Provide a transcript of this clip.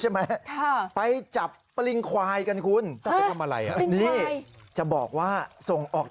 ไม่ใช่ผลร้ายด้วย